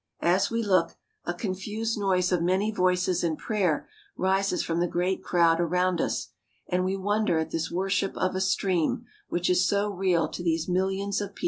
As we look, a confused noise of many voices in prayer rises from the great crowd about us, and we wonder at this worship of a stream, which is so real to these millions of people.